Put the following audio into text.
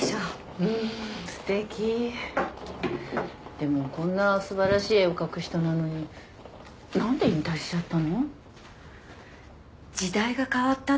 でもこんな素晴らしい絵を描く人なのに何で引退しちゃったの？時代が変わったって言ってた。